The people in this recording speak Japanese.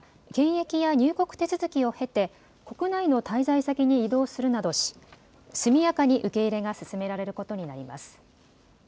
到着後、避難民は検疫や入国手続きを経て国内の滞在先に移動するなどし速やかに受け入れが進められることになります。